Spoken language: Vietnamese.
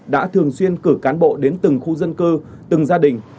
đã thường xuyên cử cán bộ đến từng khu dân cư từng gia đình